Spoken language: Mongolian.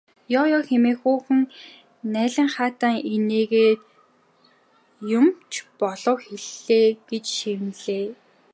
Ёо ёо хэмээн хүүхэн наалинхайтан инээгээд юм ч болж эхэллээ гэж шивнэлээ.